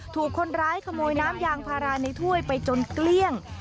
ถูกคนร้ายขโมยน้ำยางพาราในถ้วยไปจนเกลี้ยง